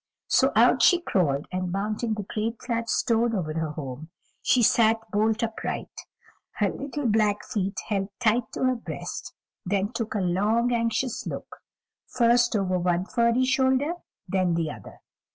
So out she crawled, and mounting the great flat stone over her home, she sat bolt upright, her little black feet held tight to her breast, then took a long, anxious look, first over one furry shoulder, then the other.